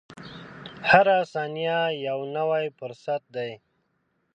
• هره ثانیه یو نوی فرصت دی.